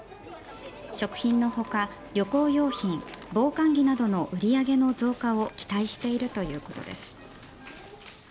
食品のほか旅行用品、防寒着などの売り上げの増加を期待しているということです。